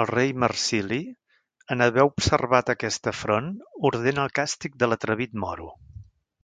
El rei Marsili, en haver observat aquest afront ordena el càstig de l'atrevit moro.